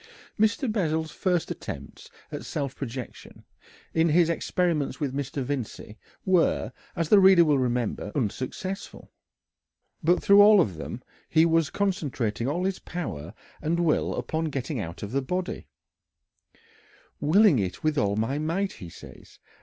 Mr. Bessel's first attempts at self projection, in his experiments with Mr. Vincey, were, as the reader will remember, unsuccessful. But through all of them he was concentrating all his power and will upon getting out of the body "willing it with all my might," he says.